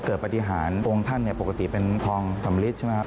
เกิดปฏิหาองค์ท่านปกติเป็นทองสำลิดใช่ไหม